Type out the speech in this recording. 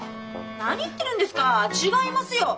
何言ってるんですか違いますよ。